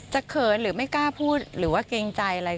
เขินหรือไม่กล้าพูดหรือว่าเกรงใจอะไร